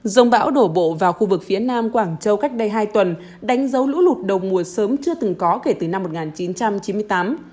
rông bão đổ bộ vào khu vực phía nam quảng châu cách đây hai tuần đánh dấu lũ lụt đầu mùa sớm chưa từng có kể từ năm một nghìn chín trăm chín mươi tám